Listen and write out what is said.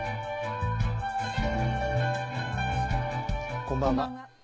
こんばんは。